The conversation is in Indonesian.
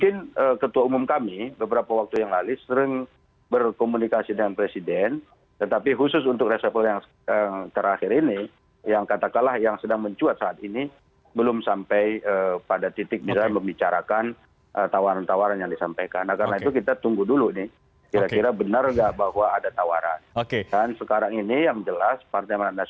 nah apakah dalam konteks nasdem ataupun dalam konteks konteks yang lain